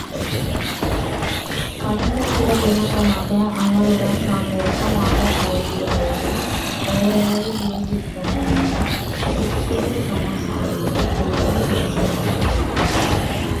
கடந்த சில தினங்களாக அவளுடன் தான் நெருக்கமாகப் பழகியபோது, ஓரளவு யூகிக்க முடிந்த சிற்சில சமாசாரங்கள் குறித்தும் பேசினாள்.